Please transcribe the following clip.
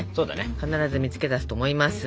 必ず見つけ出すと思います。